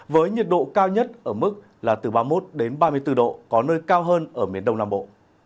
với nhiệt độ cao nhất ở mức là từ ba mươi một đến ba mươi bốn độ có nơi cao hơn ở miền đông nam bộ